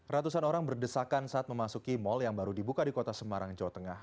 ratusan orang berdesakan saat memasuki mal yang baru dibuka di kota semarang jawa tengah